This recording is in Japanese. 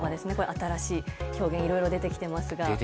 新しい表現がいろいろ出てきてますが。